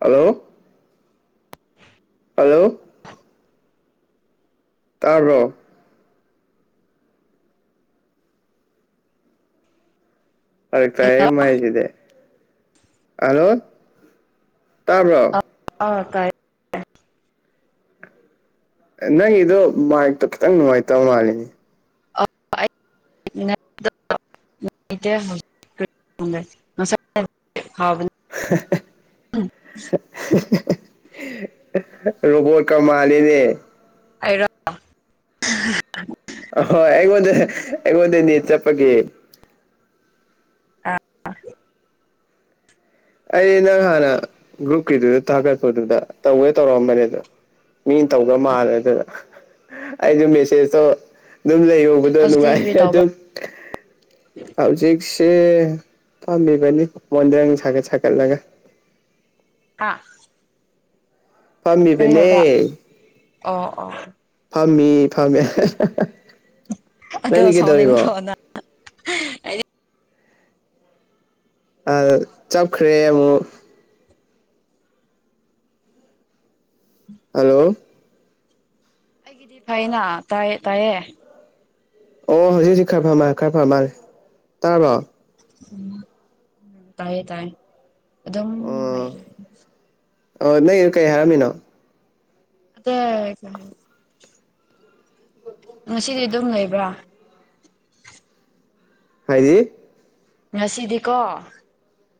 hello hello ꯇꯥꯔꯕꯣ ꯐꯔꯛꯇꯥꯌꯦ hello ꯃꯥꯏꯁꯤꯗꯤ ꯍꯂꯣ ꯇꯥꯕ꯭ꯔꯣ ꯑꯥ ꯀꯥꯏꯦ ꯅꯪꯒꯤꯗꯣ ꯃꯥꯥꯏꯛꯇꯣ ꯈꯤꯇꯪ ꯅꯨꯡꯉꯥꯏꯇꯕ ꯃꯥꯜꯂꯤꯅꯦ [unintelligible] [unintelligible] [inaudible] ꯔꯨꯕꯣꯠ ꯀꯃꯥꯜꯂꯤꯅꯦ ꯑꯩꯔꯣ ꯍꯣꯏ ꯑꯩꯉꯣꯡꯗ ꯑꯩꯉꯣꯡꯗ ꯅꯦꯠ ꯆꯞꯄꯀꯤ ꯑ ꯑꯩ ꯅꯪ ꯍꯥꯟꯅ ꯒ꯭ꯔꯨꯞꯀꯤꯗꯨꯗ ꯊꯥꯒꯠꯄꯗꯨꯗ ꯇꯧꯋꯦ ꯇꯧꯔꯛꯑꯝꯕꯅꯦ ꯑꯗꯣ ꯃꯤꯅ ꯇꯧꯒ ꯃꯥꯜꯂꯦ ꯑꯗꯨꯅ ꯑꯩꯁꯨ ꯃꯦꯁꯦꯖꯇꯣ ꯑꯗꯨꯝ ꯂꯩꯍꯕꯗꯣ ꯍꯧꯖꯤꯛꯇꯤ ꯅꯨꯡꯉꯥꯏ ꯀꯔꯤ ꯇꯧꯕ꯭ꯔꯥ ꯑꯗꯨꯝ ꯍꯧꯖꯤꯛꯁꯦ ꯐꯥꯝꯃꯤꯕꯅꯤ ꯃꯣꯟꯗꯔꯌꯪ ꯁꯒꯠ ꯁꯒꯠ ꯁꯒꯠꯂꯒ ꯑꯥ ꯐꯝꯃꯤꯕꯅꯦ ꯑꯣ ꯑꯣ ꯐꯥꯝꯃꯤ ꯐꯝꯃꯦ ꯑꯗꯣ ꯁꯥꯎꯅꯤꯡꯗ꯭ꯔꯣ ꯅꯪ ꯑꯩꯗꯤ ꯑ ꯆꯞꯈ꯭ꯔꯦ ꯑꯃꯨꯛ ꯍꯜꯂꯣ ꯑꯩꯒꯤꯗꯤ ꯐꯩꯅ ꯇꯥꯏꯌꯦ ꯇꯥꯏꯌꯦ ꯑꯣ ꯍꯧꯖꯤꯛ ꯍꯧꯖꯤꯛ ꯈꯔ ꯐꯔꯃꯔꯦ ꯈꯔ ꯐꯥꯔꯝꯃꯔꯦ ꯇꯥꯔꯕ꯭ꯔꯣ ꯎꯝ ꯇꯥꯏꯌꯦ ꯇꯥꯏꯌꯦ ꯑꯗꯨꯝ ꯍꯥꯏ ꯑ ꯅꯪ ꯀꯩ ꯍꯥꯏꯔꯝꯃꯤꯅꯣ ꯑꯗ ꯉꯁꯤꯗꯤ ꯑꯗꯨꯝ ꯂꯩꯕ꯭ꯔꯥ ꯍꯥꯏꯗꯤ ꯉꯁꯤꯗꯤꯀꯣ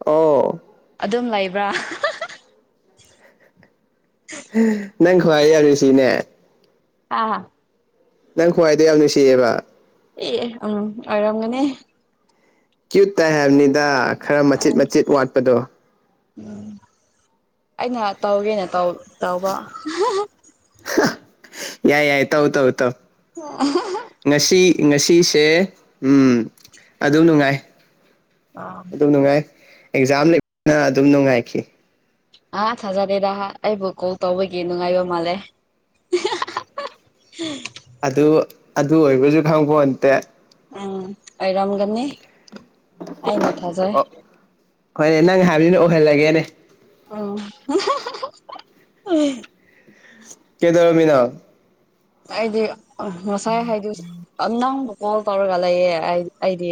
ꯑꯣ ꯑꯗꯨꯝ ꯂꯩꯕ꯭ꯔꯥ ꯅꯪ ꯈꯋꯥꯥꯏ ꯌꯥꯔ ꯁꯤꯅꯦ ꯑꯥ ꯅꯪ ꯈ꯭ꯋꯥꯏꯗ ꯌꯥꯝ ꯅꯨꯡꯁꯤꯌꯦꯕ ꯑꯩ ꯎꯝ ꯑꯔꯝꯒꯅꯦ ꯀ꯭ꯌꯨꯠ ꯇꯥꯏ ꯍꯥꯏꯕꯅꯤꯗ ꯈꯔ ꯃꯆꯦꯠ ꯃꯆꯦꯠ ꯋꯥꯠꯄꯗꯣ ꯎꯝ ꯑꯩꯅ ꯇꯧꯒꯦꯅ ꯇꯧ ꯇꯥꯎꯕ ꯌꯥꯏ ꯌꯥꯏ ꯌꯥꯏ ꯇꯧ ꯇꯧ ꯇꯧ ꯉꯁꯤ ꯉꯁꯤ ꯁꯦ ꯎꯝ ꯑꯗꯨꯝ ꯅꯨꯡꯉꯥꯏ ꯑꯥ ꯑꯗꯨꯝ ꯅꯨꯡꯉꯥꯏ ꯑꯦꯛꯖꯥꯝ ꯂꯩꯅ ꯑꯗꯨꯝ ꯅꯨꯡꯉꯥꯏꯈꯤ ꯑꯥ ꯊꯥꯖꯗꯦꯗ ꯑꯩꯕꯨ ꯀꯣꯜ ꯇꯧꯕꯒꯤ ꯅꯨꯡꯉꯥꯏꯕ ꯃꯥꯜꯂꯦ [unintelligible] ꯑꯗꯨ ꯑꯗꯨ ꯑꯣꯏꯕꯁꯨ ꯈꯪꯕꯣꯟꯟꯇꯦ ꯎꯝ ꯑꯩꯔꯝꯒꯅꯤ ꯑꯣ ꯍꯣꯏꯅꯦ ꯅꯪ ꯍꯥꯏꯕꯗꯨꯅ ꯑꯣꯏꯍꯜꯂꯒꯦꯅꯦ [unintelligible] ꯀꯦꯗ꯭ꯔꯃꯤꯅ ꯑꯩꯗꯤ ꯃꯁꯥꯏ ꯍꯥꯏꯗꯤ ꯀꯣꯜ ꯇꯧꯔꯒ ꯂꯩꯌꯦ ꯑꯩ ꯑꯩꯗꯤ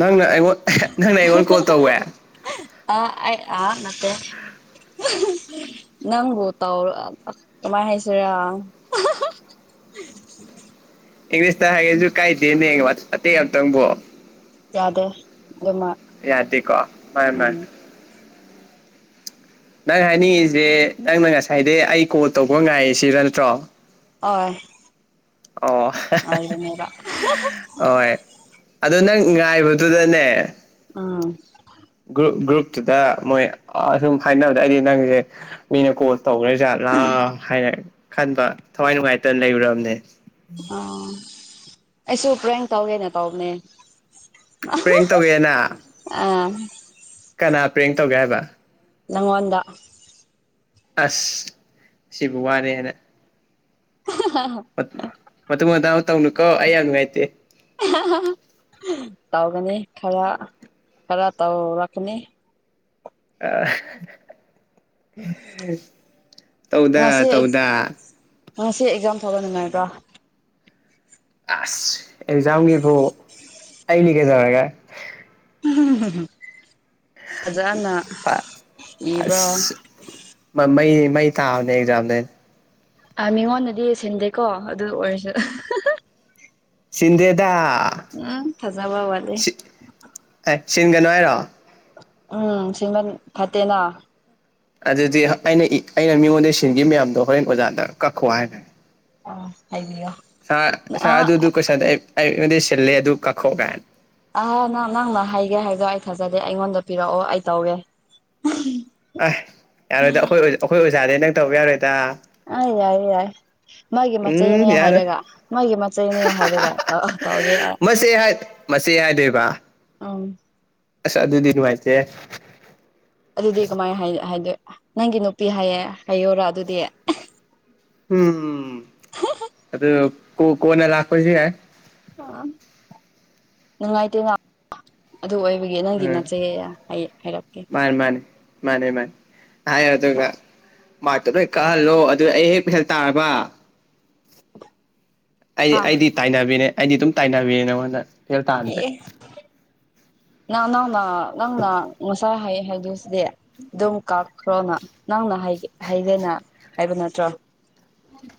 ꯅꯪꯅ ꯑꯩꯉꯣꯟ ꯅꯪꯅ ꯑꯩꯉꯣꯟ ꯀꯣꯜ ꯇꯧꯋꯦ ꯑ ꯑꯩ ꯅꯠꯇꯦ ꯅꯪꯕꯨ ꯇꯥꯎ ꯀꯃꯥꯏꯅ ꯍꯥꯏꯁꯤꯔꯥ ꯏꯪꯂꯤꯁꯇ ꯍꯥꯏꯒꯦꯁꯨ ꯀꯥꯏꯗꯦꯅꯦ ꯑꯇꯩ ꯑꯃꯇꯪꯕꯣ ꯌꯥꯗꯦ ꯑꯗꯨꯃ ꯌꯥꯗꯦꯀꯣ ꯃꯥꯅꯤ ꯃꯥꯅꯤ ꯎꯝ ꯅꯪ ꯍꯥꯏꯅꯤꯡꯉꯁꯦ ꯅꯪꯅ ꯉꯁꯥꯏꯗꯩ ꯑꯩ ꯀꯣꯜ ꯇꯧꯕ ꯉꯥꯏ ꯁꯤꯔ ꯅꯠꯇ꯭ꯔꯣ ꯑꯣ ꯍꯣꯏꯕ ꯑꯗꯨ ꯅꯪ ꯉꯥꯏꯕꯗꯨꯗꯅꯦ ꯑꯝ ꯒ꯭ꯔꯨꯞ ꯒ꯭ꯔꯨꯞꯇꯨꯗ ꯃꯣꯏ ꯑꯁꯨꯝ ꯍꯥꯏꯅꯕꯗ ꯑꯩꯗꯤ ꯅꯪꯁꯦ ꯃꯤꯅ ꯀꯣ ꯇꯧꯈ꯭ꯔꯦꯖꯥꯠꯂꯥ ꯍꯥꯏꯅ ꯈꯟꯕ ꯊꯋꯥꯏ ꯅꯨꯡꯉꯥꯏꯇꯅ ꯂꯩꯔꯨꯔꯕꯅꯦ ꯑ ꯑꯩꯁꯨ ꯄ꯭ꯔꯌꯦꯡ ꯇꯧꯒꯦꯅ ꯇꯧꯕꯅꯦ ꯄ꯭ꯔꯦꯡ ꯇꯧꯋꯦꯅ ꯎꯝ ꯀꯅꯥ ꯄ꯭ꯔꯦꯡ ꯇꯧꯒꯦ ꯍꯥꯏꯕ ꯅꯪꯉꯣꯟꯗ ꯑꯁ ꯁꯤꯕꯨ ꯋꯥꯅꯦ ꯍꯥꯏꯅ ꯃꯇꯨꯡ ꯃꯇꯥꯡ ꯇꯧꯅꯨꯀꯣ ꯑꯩ ꯌꯥꯝ ꯅꯨꯡꯉꯥꯏꯇꯦ ꯇꯧꯒꯅꯤ ꯈꯔ ꯈꯔ ꯇ ꯔꯈꯅꯤ [inaudible] ꯇꯧꯗ ꯉꯁꯤ ꯇꯧꯗꯥ ꯉꯁꯤ ꯑꯦꯛꯖꯥꯝ ꯊꯣꯛꯍꯟꯅꯤꯡꯉꯥꯏꯕ꯭ꯔꯣ ꯑꯁ ꯑꯦꯛꯖꯥꯝꯒꯤꯕꯨ ꯑꯩꯅꯤ ꯀꯩꯗꯧꯔꯒ [unintelligible] ꯐꯖꯅ ꯏꯕ꯭ꯔꯥ ꯑꯁ ꯃꯃꯩ ꯃꯩ ꯇꯥꯕꯅꯦ ꯑꯦꯖꯥꯝꯗ ꯑ ꯃꯤꯉꯣꯟꯗꯗꯤ ꯁꯤꯟꯗꯩꯀꯣ ꯑꯗꯨ ꯑꯣꯏꯔꯁꯨ ꯁꯤꯗꯦꯗ ꯎꯝ ꯐꯖꯕ ꯋꯥꯗꯦ ꯁꯤꯟꯒꯅꯣ ꯍꯥꯏꯔꯣ ꯑ ꯁꯤꯃꯟ ꯐꯠꯇꯦꯅꯥ ꯑꯗꯨꯗꯤ ꯑꯩꯅ ꯑꯩꯅ ꯃꯤꯉꯣꯟꯗ ꯁꯤꯟꯈꯤꯕ ꯃꯌꯥꯝꯗꯣ ꯍꯣꯔꯦꯟ ꯑꯣꯖꯥꯗ ꯀꯛꯈꯣ ꯍꯥꯏꯕ ꯑꯣ ꯍꯥꯏꯕꯤꯌꯣ ꯁꯥ ꯁꯥ ꯑꯗꯨ ꯑ ꯑꯗꯨꯗꯨ ꯀꯁꯗ ꯑꯩꯃꯗꯤ ꯁꯤꯜꯂꯦ ꯑꯗꯨ ꯀꯛꯈꯣꯛ ꯀꯥꯏꯅ ꯑ ꯅꯪ ꯅꯪꯅ ꯍꯩꯒꯦ ꯍꯥꯏꯕꯗꯣ ꯑꯩ ꯊꯥꯖꯗꯦ ꯑꯩꯉꯣꯟꯗ ꯄꯤꯔꯛꯑꯣ ꯑꯩ ꯇꯧꯒꯦ ꯑꯁ ꯌꯥꯔꯣꯏꯗ ꯑꯩꯈꯣꯏ ꯑꯩꯈꯣꯏ ꯑꯣꯖꯥꯗꯤ ꯅꯪ ꯇꯧꯕ ꯌꯥꯔꯣꯏꯗ ꯑ ꯌꯥꯏ ꯌꯥꯏ ꯃꯥꯒꯤ ꯎꯝ ꯃꯆꯩꯅꯦ ꯌꯥꯔꯣꯏ ꯍꯥꯏꯔꯒ ꯃꯥꯒꯤ ꯃꯆꯩꯅꯦ ꯍꯥꯏꯔꯒ ꯇꯧ ꯇꯒꯦ ꯃꯁ ꯌꯥꯏꯗꯦꯕ ꯑꯪ ꯑꯁ ꯑꯗꯨꯗꯤꯗꯤ ꯃꯥꯥꯏꯇꯦ ꯑꯗꯨꯗꯤ ꯀꯃꯥꯏ ꯍꯥꯏꯗꯣꯏ ꯅꯪꯒꯤ ꯅꯨꯄꯤ ꯍꯥꯏꯌꯦ ꯍꯥꯏꯌꯔꯥ ꯑꯗꯨꯗꯤ ꯎꯝ ꯑ ꯀ ꯀꯅ ꯂꯥꯛꯀꯣꯏꯁꯤ ꯌꯥ ꯅꯤꯡꯉꯥꯏꯇ ꯉ ꯑꯗꯨ ꯑꯣꯏꯕꯒꯤ ꯅꯪꯒꯤ ꯎꯝ ꯅꯠꯆꯩ ꯍꯥꯏꯔꯛꯀꯦ ꯃꯥꯅꯤ ꯃꯥꯅꯤ ꯃꯥꯅꯦ ꯃꯥꯅꯦ ꯍꯥꯏ ꯌꯥ ꯑꯗꯨꯒꯒ ꯃꯥꯇꯣ ꯂꯣꯏ ꯀꯥꯍꯜꯂꯣ ꯑꯗꯨ ꯑꯩ ꯍꯦꯛ ꯐꯦꯜ ꯇꯥꯔꯕ ꯑꯩꯗꯤ ꯑꯥ ꯑꯩꯗꯤ ꯇꯥꯏꯅꯕꯤꯅꯦ ꯑꯩꯗꯤ ꯑꯗꯨꯝ ꯇꯥꯏꯅꯕꯤꯅꯦ ꯅ ꯑꯩꯉꯣꯟꯗ ꯐꯦꯜ ꯇꯥꯁꯦ ꯑꯦ ꯅꯪ ꯅꯪꯅ ꯅꯪꯅ ꯉꯁꯥ ꯍꯥꯏꯌꯦ ꯍꯥꯏ ꯗꯤ ꯑꯗꯨꯝ ꯀꯥꯞꯈ꯭ꯔꯣꯅ ꯅꯪꯅ ꯍꯥꯏꯒꯦꯅ ꯍꯥꯏꯕ ꯅꯠꯇ꯭ꯔꯣ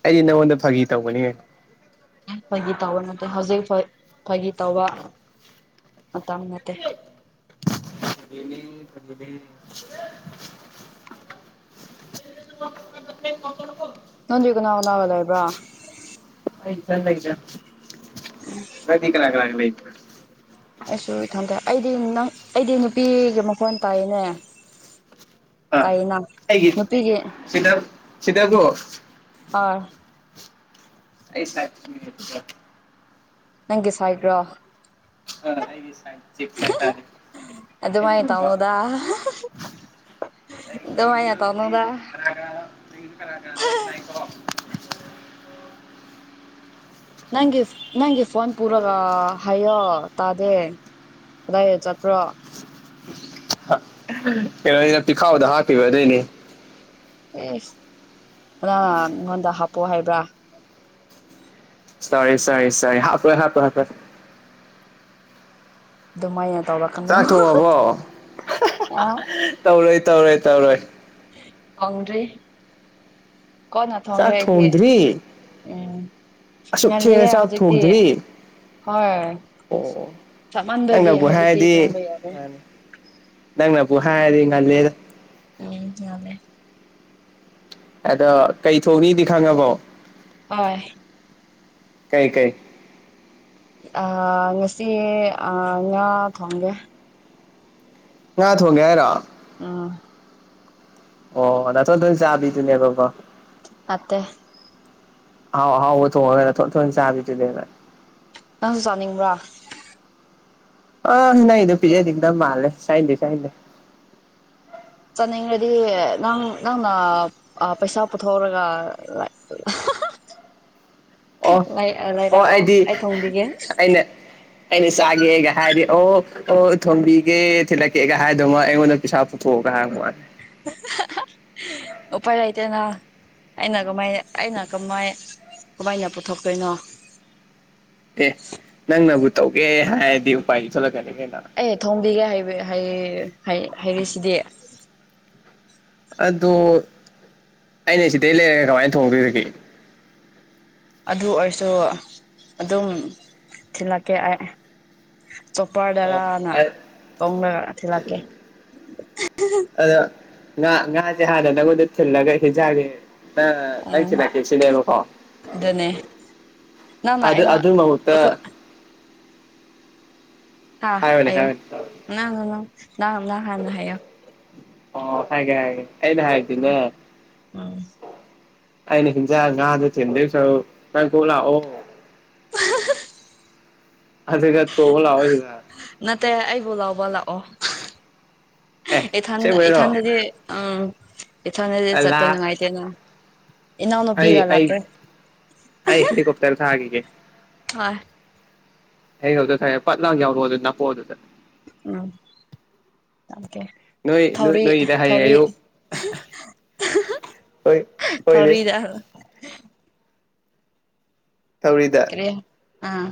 ꯑꯩꯗꯤ ꯅꯉꯣꯟꯗ ꯐꯥꯒꯤ ꯇꯧꯒꯅꯤ ꯐꯥꯒꯤ ꯇꯧꯕ ꯅꯠꯇꯦ ꯍꯧꯖꯤꯛ ꯐꯥꯒꯤ ꯇꯧꯕ ꯃꯇꯝ ꯅꯠꯇꯦ ꯔꯤꯅꯦꯅꯤꯅꯦ ꯦ ꯀ ꯀꯣ ꯀꯣ ꯅꯟ ꯀꯅꯥ ꯂꯕ ꯂꯩ ꯂꯩꯕ꯭ꯔꯥ ꯆ ꯀꯗꯤ ꯀ ꯂꯒ ꯂꯒꯂ ꯏ ꯑꯩꯁꯨ ꯏꯊꯟꯇ ꯑꯩꯗꯤ ꯅꯪ ꯑꯩꯗꯤ ꯅꯨꯄꯤꯒ ꯃꯈꯣꯟ ꯇꯥꯏꯅꯦ ꯑ ꯇꯥꯏꯅ ꯑꯩꯒꯤ ꯅꯨꯄꯤꯒꯤ ꯁꯤꯇꯥ ꯁꯤꯇꯥꯒꯣ ꯍ ꯑꯩꯁ ꯅꯪꯒꯤ ꯁꯥꯏꯒ꯭ꯔꯥ ꯑ ꯑꯩ ꯁ ꯆꯦ ꯇꯔ ꯑꯗꯨꯃꯥꯏꯅ ꯇꯧꯅꯨꯗ ꯑꯗꯨꯃꯥꯏꯅ ꯇꯧꯅꯨꯗ ꯀꯂꯥ ꯀꯂꯥꯀꯔ ꯇꯥꯏꯣ ꯅꯪꯒꯤ ꯅꯪꯒꯤ ꯐꯣꯟ ꯄꯨꯔꯒ ꯍꯥꯏꯌꯣ ꯇꯥꯗꯦ ꯆꯠ ꯄꯨ꯭ꯔꯣ ꯀꯩꯅꯣꯩꯅ ꯄꯤꯈꯥꯎꯗ ꯍꯥꯞꯈꯤꯕ ꯑꯗꯨꯏꯅꯦ ꯑꯦ ꯑ ꯅꯉꯣꯟꯗ ꯍꯥꯞꯄꯣ ꯍꯥꯏꯕ꯭ꯔꯥ ꯁꯔꯤ ꯁꯔꯤ ꯁꯔꯤ ꯍꯥꯄꯣꯏ ꯍꯥꯄ ꯍꯥꯣꯏ ꯑꯗꯨꯃꯥꯏ ꯆꯥꯛꯊꯣꯡꯉꯕꯣ ꯑ ꯇꯧꯔꯣꯏ ꯇꯧꯔꯣꯏ ꯇꯧꯔꯣꯏ ꯊꯣꯡ꯭ꯔꯤ ꯀꯅꯥ ꯊꯣꯡꯦ ꯆꯥꯛ ꯑꯩꯗꯤ ꯊꯣꯡꯗ꯭ꯔꯤ ꯎꯝ ꯑꯁꯨꯛ ꯊꯦꯡꯉ ꯉꯜꯂꯤꯌꯦ ꯆꯥꯛ ꯍꯧꯖꯤꯛꯇꯤ ꯊꯣꯡꯗ꯭ꯔꯤ ꯍꯣꯏ ꯑꯣ ꯆꯞꯃꯟꯕꯒꯤ ꯅꯪꯅꯒ ꯍꯧꯖꯤꯛꯇꯤ ꯍꯥꯏꯗꯤ ꯊꯣꯡꯕ ꯌꯥꯗꯦ ꯅꯪꯅ ꯄꯨ ꯍꯥ ꯂꯩꯦꯗ ꯎꯝ ꯌꯥꯗꯦ ꯑꯗ ꯀꯩ ꯊꯣꯛꯅꯤꯗꯤ ꯈꯪꯉꯕꯣ ꯍꯣꯏ ꯀꯩ ꯀꯩ ꯉꯁꯤ ꯉꯥ ꯊꯣꯡꯒꯦ ꯉ ꯊꯒꯦꯔꯥ ꯑꯣ ꯑꯣ ꯅꯊ ꯇ ꯆꯥ ꯊꯅ ꯀꯕꯣ ꯑꯠꯇ ꯍꯥꯎ ꯍꯥꯎ ꯑꯣ ꯊ ꯍ ꯊ ꯊ ꯆꯕꯤ ꯇꯗꯦ ꯑꯖꯥꯅꯤꯡꯕ꯭ꯔꯥ ꯑ ꯅ ꯅꯨꯄꯤꯖꯦꯗꯤꯗꯝ ꯃꯥꯂꯦ ꯆꯥꯏꯗꯦ ꯆꯗꯦ ꯆꯥꯅꯤꯡꯉꯗꯤ ꯅꯪ ꯅꯪꯅ ꯄꯩꯁꯥ ꯄꯨꯊꯣꯛꯔꯒ ꯑꯣ ꯂꯩ ꯑꯣ ꯂꯩꯔꯛꯑꯣ ꯑꯩꯗꯤ ꯑꯩ ꯊꯣꯡꯕꯤꯒꯦ ꯑꯩꯅ ꯀꯩꯅꯁꯒꯦ ꯍꯦꯒ ꯍꯥꯏꯗꯤ ꯑꯣ ꯑꯣ ꯊꯝꯕꯒ ꯊꯤꯂꯒ ꯍꯥꯏꯗꯃ ꯌꯦꯡꯉꯣꯟ ꯄꯤꯁꯥꯎꯊꯒ ꯍꯥꯏꯉ ꯎꯄꯥꯏ ꯑꯥꯏꯇꯅꯥ ꯑꯩꯅ ꯀꯃꯥꯏ ꯑꯩꯅ ꯀꯃꯥꯏ ꯀꯃꯥꯏꯅ ꯄꯨꯊꯣꯛꯇꯣꯏꯅꯣ ꯇꯒꯦ ꯍꯦꯗꯤ ꯄꯥꯏ ꯆ ꯑꯦ ꯊꯣꯝꯕꯤꯒꯦ ꯍꯥꯏꯔꯤꯁꯤꯗꯤ ꯑꯗꯨ ꯑꯩꯅ ꯁꯤꯗꯩ ꯂꯩꯔꯒꯦ ꯀꯃꯥꯏꯅ ꯊꯣꯡꯗꯣꯏꯒꯦ ꯑꯗꯨ ꯑꯣꯏꯔꯁꯨ ꯑꯗꯨꯝ ꯊꯤꯜꯂꯛꯀꯦ ꯑꯩ ꯑꯣ ꯆꯣꯄꯔꯗꯔꯅ ꯇꯣꯡꯂꯒ ꯊꯤꯜꯂꯛꯀꯦ ꯉ ꯉꯖꯦ ꯍꯥꯗꯅꯒꯗ ꯊꯜꯂꯒ ꯍ ꯒꯦ ꯑ ꯂꯏꯁꯤꯦ ꯁꯤꯅꯦꯕ ꯀꯣ ꯑꯗꯨꯅꯦ ꯅꯪꯅ ꯑꯗ ꯑ ꯑꯩꯉꯣꯟ ꯑꯗꯨ ꯃꯉꯛꯇ ꯑꯩꯈꯣꯏ ꯍꯥꯥ ꯍꯥꯏꯔꯣꯅꯦ ꯍꯥꯏꯣ ꯍꯥꯏꯔꯣꯅꯦ ꯉ ꯍꯥꯟꯅ ꯍꯥꯏꯣ ꯑꯣ ꯍꯥꯏꯦ ꯍꯥꯏꯦ ꯑꯩꯅ ꯍꯥꯏꯇꯅ ꯎꯝ ꯑꯩꯅꯁꯤ ꯆ ꯉꯗ ꯊꯁ ꯀꯥꯏ ꯀꯣꯂ ꯑꯣ ꯑꯗꯨꯒ ꯊꯣꯡꯉ ꯂꯥꯛꯑꯣ ꯁꯤꯗ ꯅꯠꯇꯦ ꯑꯩꯕꯨ ꯂꯥꯎꯕ ꯂꯥꯛ ꯑꯣ ꯑꯦ ꯏꯊꯥꯟ ꯑꯁꯦꯡꯕꯩꯔꯣ ꯏꯊꯥꯟꯗꯗꯤ ꯑ ꯏꯊꯣꯟꯅꯗꯤ ꯆꯠꯄ ꯂꯥ ꯅꯨꯡꯉꯥꯏꯇꯦꯅ ꯏꯟꯅꯎꯅ ꯅꯨ ꯄꯤꯒ ꯂꯇ꯭ꯔꯦ ꯇꯗꯤ ꯇꯥꯔꯁ ꯍꯥꯏꯒ ꯍꯣꯏ ꯍꯩ ꯍꯧꯗ ꯈꯔꯦ ꯄꯠ ꯂꯥꯛ ꯌꯥꯎꯔꯛꯑꯣ ꯑꯗꯨ ꯅꯥꯄꯣꯛꯑꯣ ꯑꯗꯨꯗ ꯎꯝ ꯅꯣꯏꯣꯏ ꯊꯧꯔꯤ ꯅꯣꯏꯣꯏ ꯏꯗ ꯊꯧꯔꯤ ꯍꯥꯏꯌꯦꯨ ꯍꯣꯏ ꯑꯣꯏꯣꯏꯗꯤ ꯊꯧꯔꯤꯗ ꯇꯧꯔꯤꯗ ꯀꯔꯤ ꯑꯥ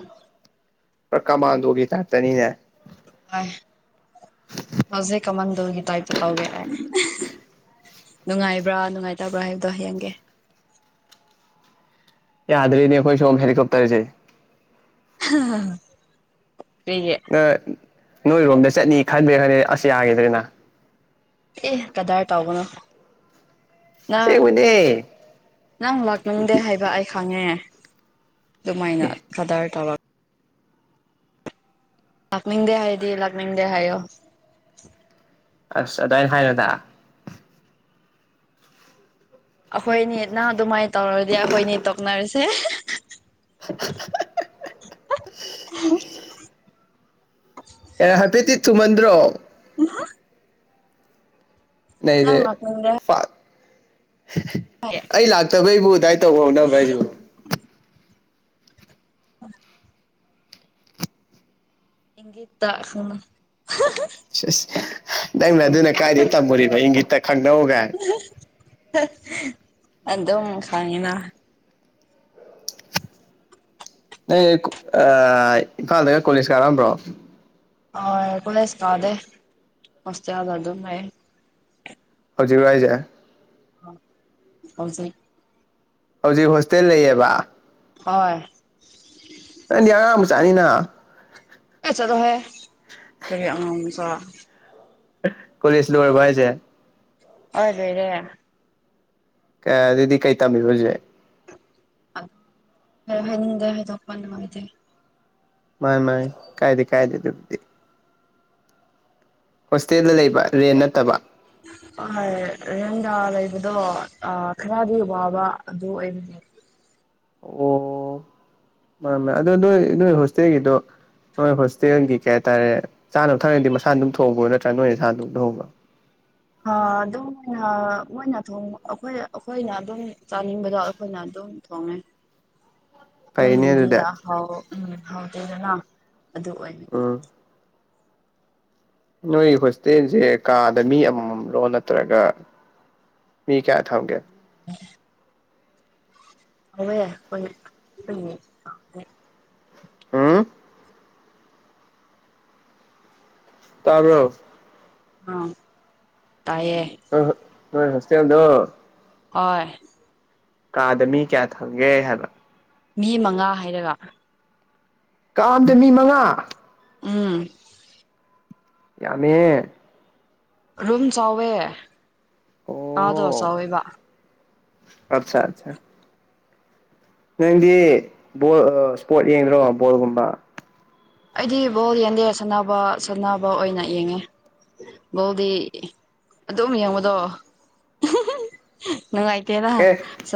ꯄ ꯀꯥ ꯃꯥꯟꯗꯒꯤ ꯊꯥꯛꯇꯅꯤꯅꯦ ꯍ ꯍꯧꯖꯤꯛ ꯀꯃꯟꯗꯨꯒꯤ ꯇꯥꯏꯞꯇ ꯇꯧꯒꯦ ꯑꯦ ꯅꯨꯡꯉꯥꯏꯕ꯭ꯔꯥ ꯅꯨꯡꯉꯥꯏꯇꯕ꯭ꯔꯥ ꯍꯥꯏꯕꯗꯣ ꯍꯌꯦꯡꯒꯦ ꯑꯦ ꯑꯥꯗꯔꯤꯅꯤ ꯑꯩꯣꯏ ꯁꯣ ꯍꯦꯂꯤꯀꯣꯞꯇꯔꯁ ꯍ ꯅ ꯅꯣꯏꯔꯣꯝꯗ ꯆꯠꯅꯤ ꯈꯟꯕ꯭ꯔꯦ ꯈꯟꯗꯦ ꯑꯁ ꯌꯥꯈꯤꯗ꯭ꯔꯦꯅ ꯑꯦ ꯀꯗꯥꯏ ꯇꯥꯎꯕꯅꯣ ꯅ ꯑꯁꯦꯡꯕꯅꯦ ꯑꯦ ꯅꯪ ꯂꯥꯛꯅꯤꯡꯗꯦ ꯍꯥꯏꯕ ꯑꯩ ꯈꯪꯉꯦꯑꯦ ꯑꯗꯨꯃꯥꯏꯅ ꯀꯗꯥꯔ ꯇꯧꯔ ꯂꯥꯛꯅꯤꯡꯡꯗꯦ ꯍꯥꯏꯌꯦꯗꯤ ꯂꯥꯛꯅꯤꯡꯡꯗꯦ ꯍꯥꯏꯌꯣ ꯑꯁ ꯑꯗꯨꯥꯏꯅ ꯍꯥꯏꯔꯗ ꯑꯩꯈꯣꯏꯅꯤ ꯅꯪ ꯑꯗꯨꯃꯥꯏꯅ ꯇꯧꯔꯗꯤ ꯑꯩꯈꯣꯏꯅꯤ ꯇꯣꯛꯅꯔꯁꯦ ꯎ ꯑꯦ ꯍꯥꯏꯐꯦꯗꯤꯤ ꯊꯨꯃꯟ꯭ꯔꯣ ꯍꯥ ꯅ ꯔꯦ ꯂꯥꯛꯅꯤꯡꯗꯦ ꯐ ꯑꯩ ꯂꯥꯛꯇꯕꯩꯕꯨ ꯑꯗꯨꯗꯥꯏ ꯇꯧꯍꯧꯅꯕ ꯍꯥꯏꯁꯨ ꯑ ꯏꯦ ꯇ ꯁꯨꯅ ꯁꯁ ꯅꯪꯅ ꯑꯗꯨꯅ ꯀꯥꯏꯗꯒꯤ ꯇꯝꯃꯨꯔꯤꯅ ꯏꯪꯒꯤꯠꯇ ꯈꯪꯗꯧꯒꯥꯏ ꯑꯗꯨꯝ ꯈꯪꯉꯤꯅ ꯅ ꯏꯝꯐꯥꯜꯗꯒ ꯀꯣꯂꯦꯖ ꯀꯥꯔꯝꯕ꯭ꯔꯣ ꯑꯣ ꯀꯣꯂꯦꯖꯀꯗꯦ ꯍꯣꯁꯇꯌꯥꯗꯔ ꯑꯗꯨꯝ ꯂꯩ ꯍꯧꯖꯤꯛ ꯍꯥꯏꯁꯦ ꯍꯧꯖꯩ ꯍꯧꯖꯤꯛ ꯍꯣꯁꯇꯦꯜ ꯂꯩꯌꯦꯕ ꯍꯣꯏ ꯅꯗꯤ ꯑꯉꯥꯡꯕ ꯆꯥꯅꯤꯅ ꯑꯦ ꯆꯠꯂꯣꯍꯦ ꯀꯔꯤ ꯑꯉꯥꯡ ꯃꯆꯥ ꯀꯁꯣ ꯏꯁꯦ ꯍꯗꯣꯏꯔꯦ ꯑꯗꯨꯗꯤ ꯀꯩ ꯇꯝꯃꯤ ꯍꯧꯁꯦ ꯈꯔ ꯍꯥꯏꯅꯤꯡꯗꯦ ꯍꯥꯏꯗꯣꯛꯄ ꯅꯨꯡꯉꯥꯏꯇꯦ ꯃꯥꯥꯏ ꯃꯥꯥꯏ ꯀꯥꯏꯗꯤ ꯀꯥꯏꯗꯗꯤꯗꯤ ꯍꯣꯁꯇꯦꯜꯗ ꯂꯩꯕ ꯔꯦꯟ ꯅꯠꯇꯕ ꯍꯣꯏ ꯔꯍꯟꯒꯥ ꯂꯩꯕꯗꯣ ꯈꯔꯗꯤ ꯋꯥꯕ ꯑꯗꯨ ꯑꯣꯏꯕꯅꯦ ꯑꯣ ꯃꯥ ꯑꯗꯨꯗ ꯑꯗꯨ ꯏ ꯍꯁꯦꯒꯤꯣ ꯍꯣꯏ ꯍꯣꯁꯇꯦꯜꯒꯤ ꯀꯩ ꯍꯥꯏꯇꯥꯔꯦ ꯆꯥꯅꯕ ꯊꯛꯉꯗꯤ ꯃꯁꯥ ꯑꯗꯨꯝ ꯊꯣꯛꯍꯧꯕꯣ ꯅꯠꯇ꯭ꯔꯥ ꯅꯣꯏ ꯅꯁꯥꯅ ꯑꯗꯨꯝ ꯇ ꯊꯣꯛꯍꯧꯕ [inaudible] ꯑꯗꯨꯝꯅ ꯃꯣꯏꯅ ꯊꯣꯡ ꯑꯩꯈꯣꯏ ꯑꯩꯈꯣꯏꯅ ꯑꯗꯨꯝ ꯆꯥꯅꯤꯡꯕꯗꯣ ꯑꯩꯈꯣꯏꯅꯝ ꯊꯣꯡꯉꯦ ꯑ ꯃꯣꯏꯒꯤꯗꯤꯍꯥꯎ ꯎ ꯍꯥꯎꯗꯦꯗꯅ ꯑꯗꯨ ꯑꯣꯏꯕꯒꯤ ꯎꯝ ꯅꯣꯏ ꯍꯣꯁꯇꯦꯜꯁꯦ ꯀꯥꯗ ꯃꯤ ꯑꯃꯃꯝꯂꯣ ꯅꯠꯇ꯭ꯔꯒ ꯃꯤ ꯀꯌꯥ ꯊ ꯑꯣꯒꯦ ꯑꯣꯋꯦ ꯑꯝ ꯇꯥꯔꯣ ꯑ ꯇꯥꯏꯌꯦ ꯅꯣꯏ ꯍꯁ ꯌ ꯑꯗꯨ ꯍꯣꯏ ꯀꯥꯗꯃꯤ ꯀꯌꯥ ꯊꯒꯦ ꯍꯥꯏꯕ ꯃꯤ ꯃꯉꯥ ꯍꯥꯏꯔꯒ ꯀꯥꯑꯝꯗ ꯃꯤ ꯃꯉꯥ ꯎꯝ ꯌꯥꯝꯃꯦ ꯔꯨꯝ ꯆꯥꯎꯋꯦ ꯑꯗꯣ ꯑꯣ ꯆꯥꯎꯋꯦꯕ ꯑꯠꯆꯥ ꯑꯠꯆꯥ ꯅꯪꯗꯤ ꯕꯣꯜ ꯏꯁꯄꯣꯔꯠ ꯌꯦꯡꯗ꯭ꯔꯣ ꯕꯣꯜꯒꯨꯝꯕ ꯑꯩꯗꯤ ꯕꯣꯜ ꯌꯦꯟꯗꯦ ꯁꯥꯟꯅꯕ ꯁꯥꯟꯅꯕ ꯑꯣꯏꯅ ꯌꯦꯡꯉꯦ ꯧꯗꯤ ꯑꯗꯨꯝ ꯌꯦꯡꯕꯗꯣ ꯅꯪꯏꯇꯔ ꯑꯦ